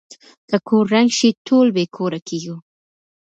که کور ړنګ شي ټول بې کوره کيږو.